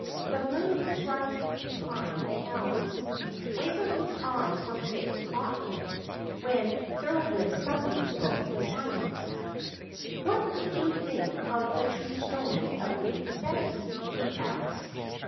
The moon was rising behind the elms. Waveney's eyes were fixed on it, when Thorold suddenly broke the silence. "What did you think of the true story of Lady Betty?" he asked.